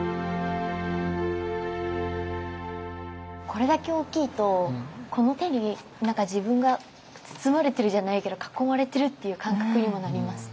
これだけ大きいとこの手に何か自分が包まれてるじゃないけど囲まれてるっていう感覚にもなります。